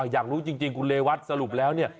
อยากรู้จริงคุณเรวัตสรุปแล้วเนี่ย